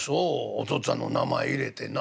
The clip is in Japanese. お父っつぁんの名前入れてな。